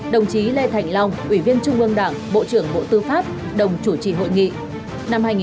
đồng chí lê thành long ủy viên trung ương đảng bộ trưởng bộ tư pháp đồng chủ trì hội nghị